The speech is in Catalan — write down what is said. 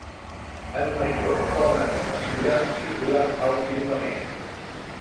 En major o menor mesura, figura al firmament.